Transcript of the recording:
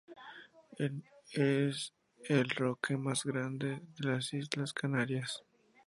Es el roque más grande de las Islas Canarias.